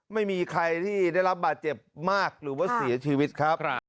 ไม่มีใครที่ได้รับบาดเจ็บมากหรือว่าเสียชีวิตครับ